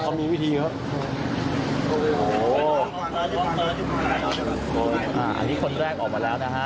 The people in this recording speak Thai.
อันนี้คนแรกออกมาแล้วนะฮะ